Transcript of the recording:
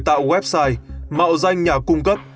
bạn có thể tạo website mạo danh nhà cung cấp